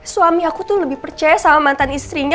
suami aku tuh lebih percaya sama mantan istrinya